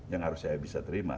yang harus saya bisa terima